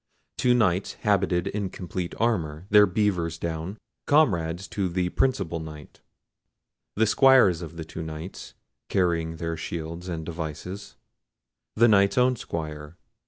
Two Knights habited in complete armour, their beavers down, comrades to the principal Knight. The squires of the two Knights, carrying their shields and devices. The Knight's own squire.